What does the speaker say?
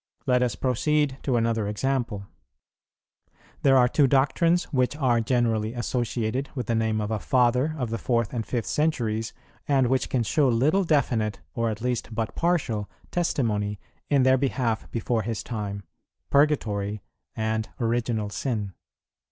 Let us proceed to another example. There are two doctrines which are generally associated with the name of a Father of the fourth and fifth centuries, and which can show little definite, or at least but partial, testimony in their behalf before his time, Purgatory and Original Sin.